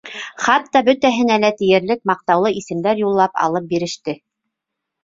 Хатта бөтәһенә лә тиерлек маҡтаулы исемдәр юллап алып биреште.